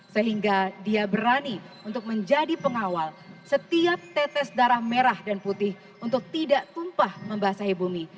sehingga dia berani untuk menjadi pengawal setiap tetes darah merah dan putih untuk tidak tumpah membasahi bumi